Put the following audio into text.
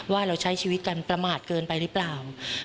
ว่าเราใช้ชีวิตกันประมาทเกินไปหรือเปล่า